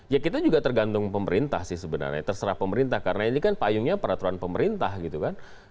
ya kita juga tergantung pemerintah sih sebenarnya terserah pemerintah karena ini kan payungnya peraturan pemerintah gitu kan